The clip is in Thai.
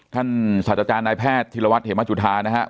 สัตว์อาจารย์นายแพทย์ธิรวัตรเหมจุธานะครับ